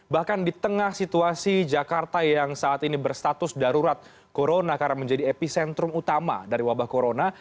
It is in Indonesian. bahkan di tengah situasi jakarta yang saat ini berstatus darurat corona karena menjadi epicentrum utama dari wabah corona